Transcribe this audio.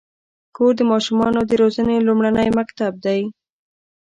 کور د ماشومانو د روزنې لومړنی مکتب دی.